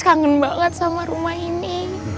kangen banget sama rumah ini